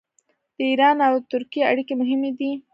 د ایران او ترکیې اړیکې مهمې دي.